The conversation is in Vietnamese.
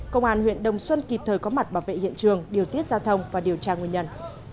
công an huyện đồng xuân kịp thời có mặt bảo vệ hiện trường điều tiết giao thông và điều tra nguyên nhân